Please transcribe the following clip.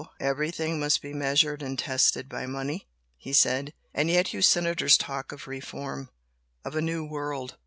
Everything must be measured and tested by money!" he said "And yet you senators talk of reform! of a 'new' world!